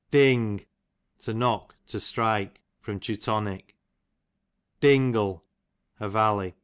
Ding, to knock, to strike. Teu. Dingle, a valley.